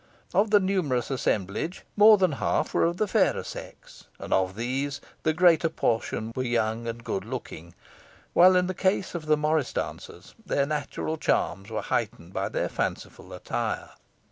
Of the numerous assemblage more than half were of the fairer sex; and of these the greater portion were young and good looking, while in the case of the morris dancers, their natural charms were heightened by their fanciful attire.